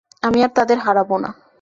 আমি আর তাদের হারাব না।